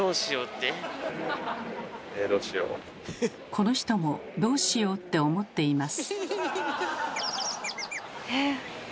この人もどうしようって思っています。